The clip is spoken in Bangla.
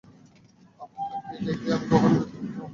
আপনাকে ডেকে আমি কখনো বিফল মনোরথ হইনি।